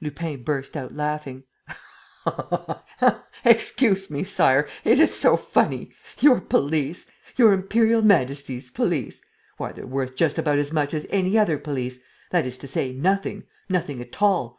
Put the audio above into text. Lupin burst out laughing: "Excuse me, Sire! It is so funny! Your police! Your Imperial Majesty's police! Why, they're worth just about as much as any other police, that is to say, nothing, nothing at all!